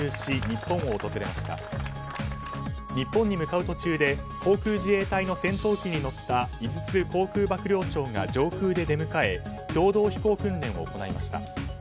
日本に向かう途中で航空自衛隊の戦闘機に乗った井筒航空幕僚長が上空で出迎え共同飛行訓練を行いました。